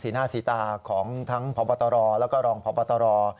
หน้าสีตาของทั้งพบตรแล้วก็รองพบตร